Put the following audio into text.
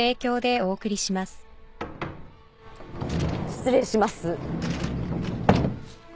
失礼します。